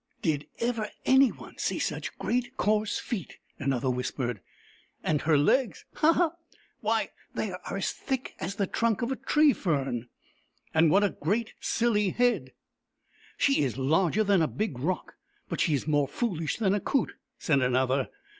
" Did ever anyone see such great coarse feet ?" another whispered. '' And her legs !— he he ! Why, they are as thick as the trunk of a tree fern !"" And what a great silly head !"" She is larger than a big rock, but she is more foolish than a coot," said another.